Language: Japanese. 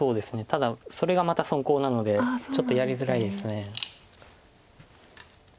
ただそれがまた損コウなのでちょっとやりづらいです。